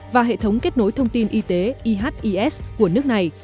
và hệ thống kết nối thông tin y tế ihes của nước này